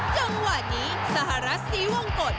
จังหวะนี้สหรัฐศรีวงกฎ